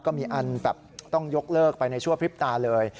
ก็มีอันแบบต้องยกเลิกไปในชั่วพริบตาเลย